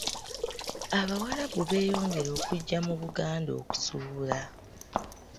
Abawarabu beeyongera okujjanga mu Buganda, okusuubula.